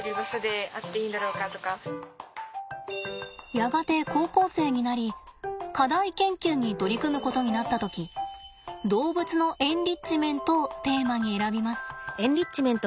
やがて高校生になり課題研究に取り組むことになった時「動物のエンリッチメント」をテーマに選びます。